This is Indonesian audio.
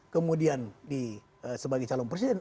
kemudian sebagai calon presiden